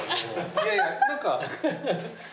いやいや何か。